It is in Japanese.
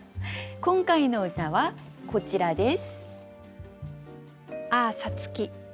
今回の歌はこちらです。